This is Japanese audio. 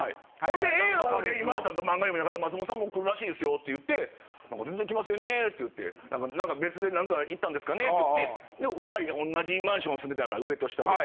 ほんでＡの方で今田さんと漫画読みながら「松本さんも来るらしいですよ」って言って「なんか全然来ませんね」って言って「なんか別で行ったんですかね」って言って２人で同じマンションに住んでたから上と下で。